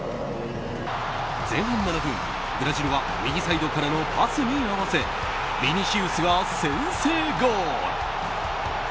前半７分、ブラジルは右サイドからのパスに合わせヴィニシウスが先制ゴール！